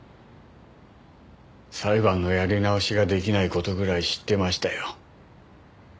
裁判のやり直しができない事ぐらい知ってましたよ。